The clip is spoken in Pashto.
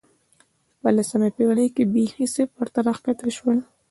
په لسمه پېړۍ کې بېخي صفر ته راښکته شول